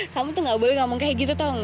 kamu tuh gak boleh ngomong kayak gitu tau